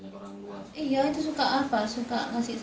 saya ingin punya rumah sakit gratis